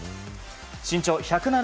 身長１７０ｃｍ。